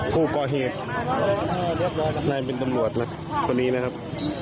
น่าจะเป็นตำรวจนะครับคนนี้นะครับ